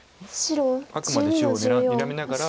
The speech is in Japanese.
あくまで白をにらみながら。